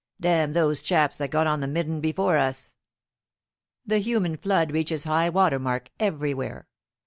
"Damn those chaps that got on the midden before us!" The human flood reaches high water mark everywhere.